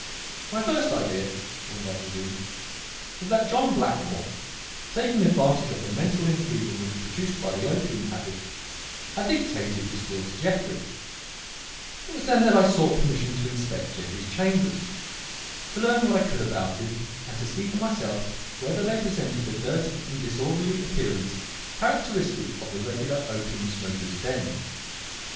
"My first idea," Thorndyke resumed, "was that John Blackmore, taking advantage of the mental enfeeblement produced by the opium habit, had dictated this will to Jeffrey, It was then that I sought permission to inspect Jeffrey's chambers; to learn what I could about him and to see for myself whether they presented the dirty and disorderly appearance characteristic of the regular opium smoker's den.